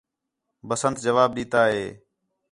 بسنت جواب ݙِتّا ہِے